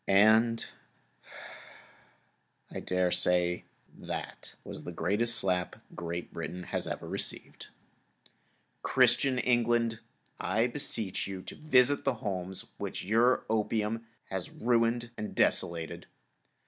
And, I daresay, that was the greatest slap Great Britain has ever received. Christian England! I beseech you to visit the homes which your opium has ruined and desolated.